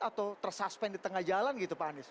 atau tersuspend di tengah jalan gitu pak anies